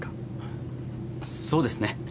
そうですね。